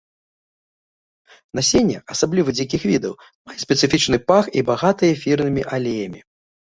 Насенне, асабліва дзікіх відаў, мае спецыфічны пах і багатае эфірнымі алеямі.